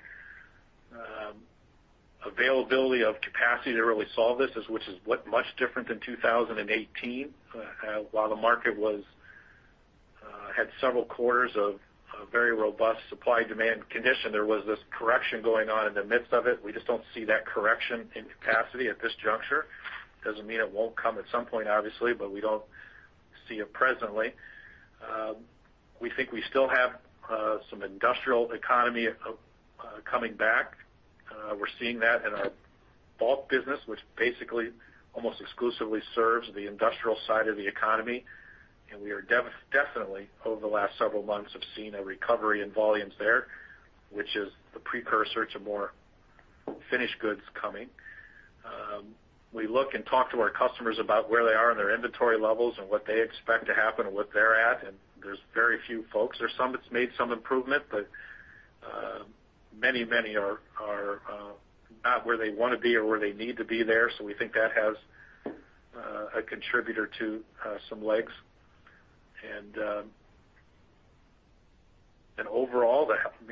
availability of capacity to really solve this, which is much different than 2018. While the market had several quarters of very robust supply-demand condition, there was this correction going on in the midst of it. We just don't see that correction in capacity at this juncture. Doesn't mean it won't come at some point, obviously, but we don't see it presently. We think we still have some industrial economy coming back. We're seeing that in our bulk business, which basically almost exclusively serves the industrial side of the economy. We are definitely, over the last several months, have seen a recovery in volumes there, which is the precursor to more finished goods coming. We look and talk to our customers about where they are in their inventory levels and what they expect to happen and what they're at. There's very few folks. There's some that's made some improvement, but many are not where they want to be or where they need to be there. We think that has a contributor to some legs. Overall,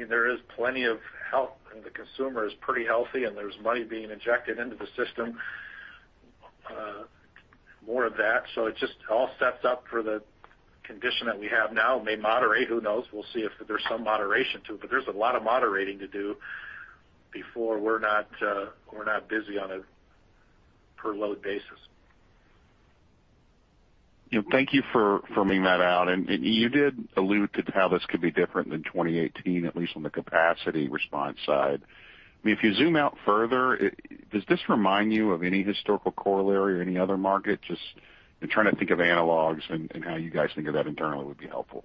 there is plenty of health, and the consumer is pretty healthy, and there's money being injected into the system. More of that. It just all sets up for the condition that we have now. May moderate. Who knows? We'll see if there's some moderation, too, but there's a lot of moderating to do before we're not busy on a per load basis. Thank you for forming that out. You did allude to how this could be different than 2018, at least on the capacity response side. If you zoom out further, does this remind you of any historical corollary or any other market? Just trying to think of analogs and how you guys think of that internally would be helpful.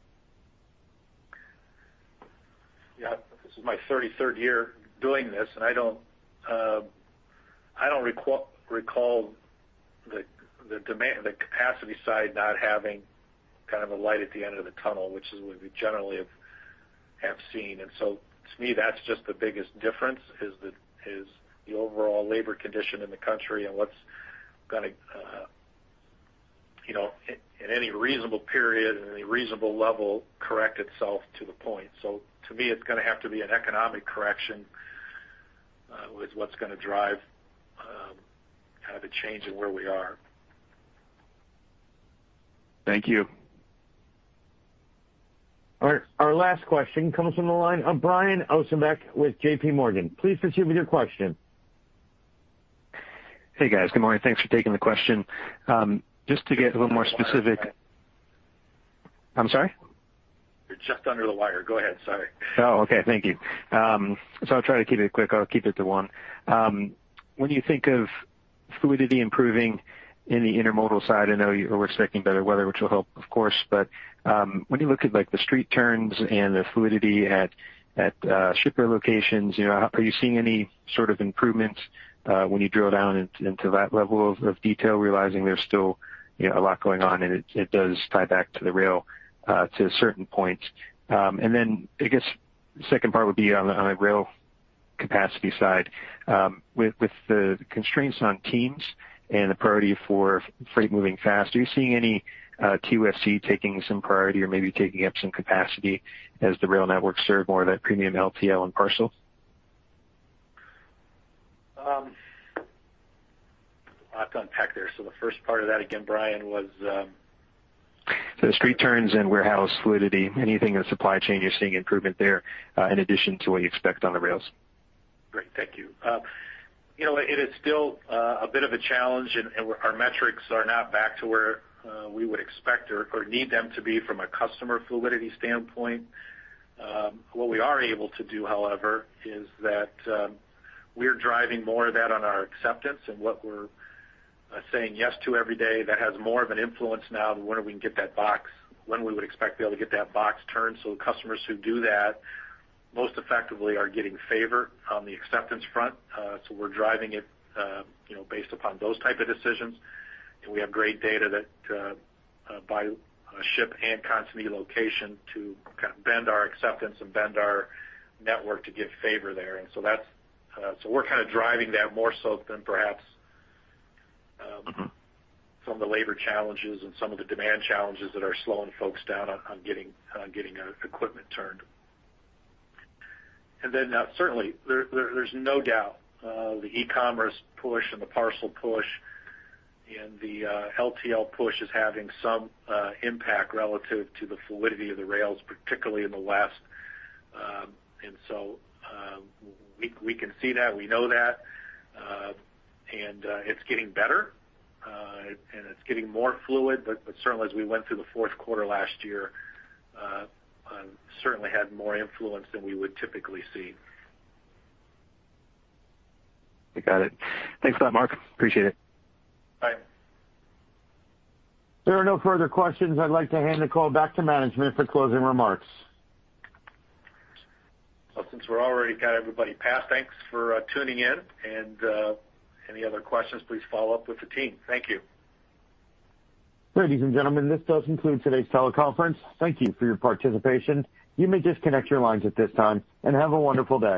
Yeah. This is my 33rd year doing this, and I don't recall the capacity side not having kind of a light at the end of the tunnel, which is what we generally have seen. To me, that's just the biggest difference, is the overall labor condition in the country and what's going to, in any reasonable period and any reasonable level, correct itself to the point. To me, it's going to have to be an economic correction with what's going to drive kind of a change in where we are. Thank you. All right. Our last question comes from the line of Brian Ossenbeck with JPMorgan, please proceed with your question. Hey, guys. Good morning? Thanks for taking the question. Just to get a little more specific. You're just under the wire. I'm sorry? You're just under the wire. Go ahead, sorry. Okay. Thank you. I'll try to keep it quick. I'll keep it to one. When you think of fluidity improving in the intermodal side, I know you're expecting better weather, which will help, of course. When you look at the street turns and the fluidity at shipper locations, are you seeing any sort of improvements when you drill down into that level of detail, realizing there's still a lot going on, and it does tie back to the rail to certain points? I guess the second part would be on a rail capacity side. With the constraints on teams and the priority for freight moving fast, are you seeing any TOFC taking some priority or maybe taking up some capacity as the rail networks serve more of that premium LTL and parcel? A lot to unpack there. The first part of that again, Brian, was? The street turns and warehouse fluidity, anything in the supply chain, you're seeing improvement there, in addition to what you expect on the rails. Great. Thank you. It is still a bit of a challenge, and our metrics are not back to where we would expect or need them to be from a customer fluidity standpoint. What we are able to do, however, is that we're driving more of that on our acceptance and what we're saying yes to every day that has more of an influence now than when we would expect to be able to get that box turned. Customers who do that most effectively are getting favor on the acceptance front. We're driving it based upon those type of decisions. We have great data that by ship and constantly location to kind of bend our acceptance and bend our network to give favor there. We're kind of driving that more so than perhaps some of the labor challenges and some of the demand challenges that are slowing folks down on getting our equipment turned. Certainly, there's no doubt the e-commerce push and the parcel push and the LTL push is having some impact relative to the fluidity of the rails, particularly in the last. We can see that, we know that, and it's getting better, and it's getting more fluid. Certainly as we went through the fourth quarter last year, certainly had more influence than we would typically see. I got it. Thanks a lot, Mark. Appreciate it. Bye. There are no further questions. I'd like to hand the call back to management for closing remarks. Well, since we're already got everybody past, thanks for tuning in, and any other questions, please follow up with the team. Thank you. Ladies and gentlemen, this does conclude today's teleconference. Thank you for your participation, you may disconnect your lines at this time, and have a wonderful day.